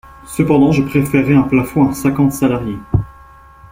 Cependant, je préférerais un plafond à cinquante salariés.